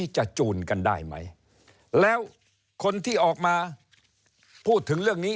จูนกันได้ไหมแล้วคนที่ออกมาพูดถึงเรื่องนี้